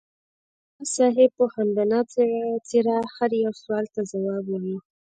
راز صاحب په خندانه څېره هر یو سوال ته ځواب وایه.